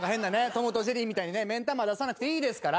『トムとジェリー』みたいにね目ん玉出さなくていいですから。